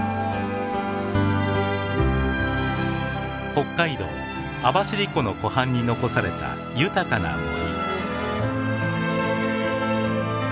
北海道網走湖の湖畔に残された豊かな森。